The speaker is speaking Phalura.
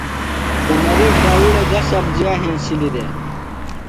عمری شاویڑہ وے گہ سبزیہ ہینسِلی دےۡ؟